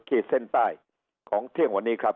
ขีดเส้นใต้ของเที่ยงวันนี้ครับ